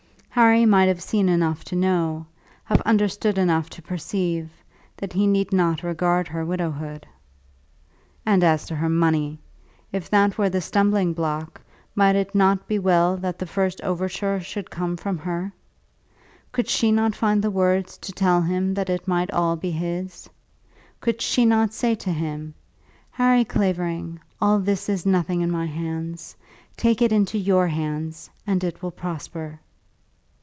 Harry might have seen enough to know, have understood enough to perceive, that he need not regard her widowhood. And as to her money! If that were the stumbling block, might it not be well that the first overture should come from her? Could she not find words to tell him that it might all be his? Could she not say to him, "Harry Clavering, all this is nothing in my hands. Take it into your hands, and it will prosper."